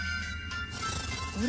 あれ？